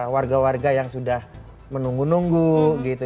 warga warga yang sudah menunggu nunggu gitu